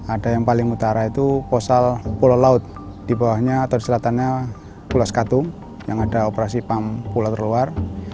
ada yang paling utara itu posal pulau laut di bawahnya atau di selatannya pulau sekatung yang ada operasi pump pulau terluar